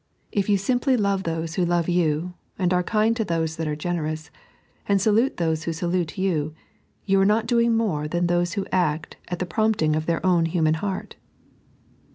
If you simply love those who love you, and are kind to those that are generous, and salute those who salute you, you are not doing more than those who act at the prompt ing of their own human heart.